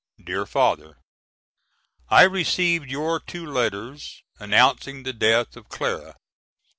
DEAR FATHER: I received your two letters announcing the death of Clara.